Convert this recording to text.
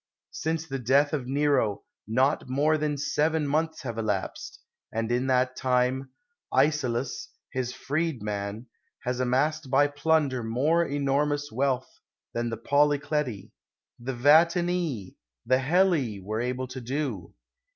Since the death of Nero not more than seven months have elapsed ; and in that time, Icelus, his freedman, has amassed by plunder more enor mous wealth than the Polycleti, the Vatinii, the Helii, were able to do.